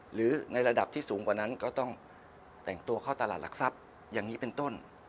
หรือในระดับที่สูงกว่านั้นก็ต้องแต่งตัวเข้าตลาดหลักทรัพย์อย่างนี้เป็นต้น